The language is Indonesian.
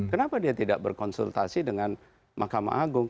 kenapa dia tidak berkonsultasi dengan mahkamah agung